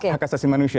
hak asasi manusia